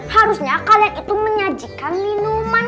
harusnya kalian itu menyajikan minuman